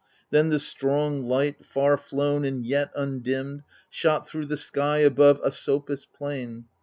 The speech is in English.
Then the strong light, far flown and yet undimmed, Shot thro* the sky above Asopus' plain.